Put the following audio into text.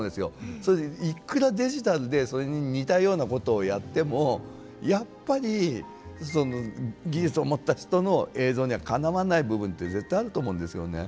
それいっくらデジタルでそれに似たようなことをやってもやっぱりその技術を持った人の映像にはかなわない部分て絶対あると思うんですよね。